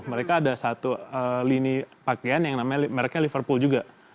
mereka ada satu lini pakaian yang namanya mereknya liverpool juga